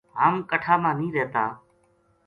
ہم کٹھا ما نیہہ رہتا